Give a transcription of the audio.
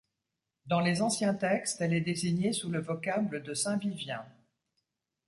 Dans les anciens textes, elle est désignée sous le vocable de Saint-Vivien.